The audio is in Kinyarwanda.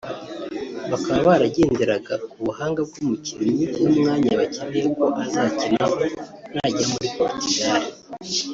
bakaba baragenderaga ku buhanga bw’umukinnyi n’umwanya bakeneye ko azakinaho nagera muri Portugal